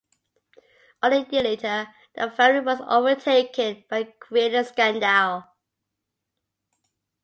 Only a year later, the family was overtaken by a greater scandal.